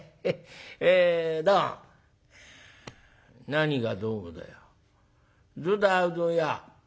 「何がどうもだよ。どうだうどん屋